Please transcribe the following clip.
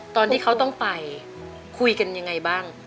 ตอนที่เขาต้องไปคุยกันยังไงบ้าง